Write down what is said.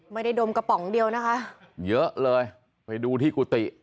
ดมกระป๋องเดียวนะคะเยอะเลยไปดูที่กุฏิ